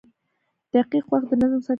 • دقیق وخت د نظم سره تړاو لري.